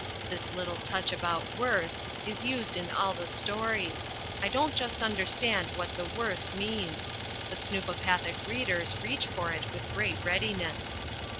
(This little touch about "worse" is used in all the stories. I don't just understand what the "worse" means. But snoopopathic readers reach for it with great readiness.)